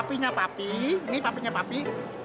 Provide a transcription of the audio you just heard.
ini papi ini papi punya papi